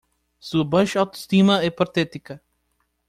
Sua baixa auto-estima é patética.